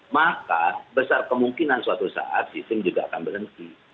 maka besar kemungkinan suatu saat sistem juga akan berhenti